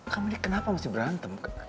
kamu ini kenapa masih berantem